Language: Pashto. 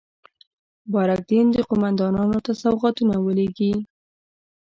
بارک دین قوماندانانو ته سوغاتونه ولېږي.